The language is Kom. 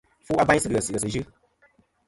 Fu abayn sɨ̂ ghès ghèsɨ̀ yɨ.